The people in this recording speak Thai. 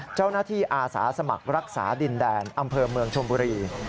เจ้าหน้าที่อาสาสมัครรักษาดินแดนอำเภอเมืองชมบุรี